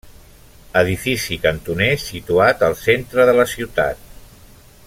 Edifici cantoner situat al centre de la ciutat.